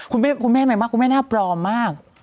คุณแม่อะไรมากคุณแม่น่าปลอมมาก